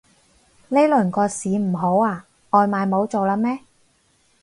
呢輪個市唔好啊？外賣冇做喇咩